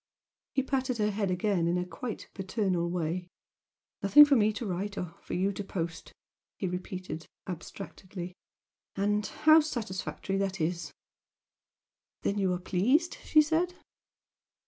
He patted her head again in quite a paternal way. "Nothing for me to write or for you to post" he repeated, abstractedly "and how satisfactory that is!" "Then you are pleased?" she said.